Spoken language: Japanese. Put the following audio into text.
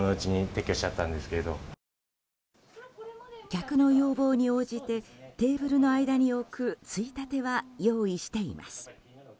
客の要望に応じてテーブルの間に置くついたては用意しています。